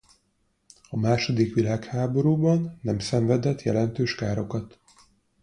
A második világháborúban nem szenvedett jelentős károkat.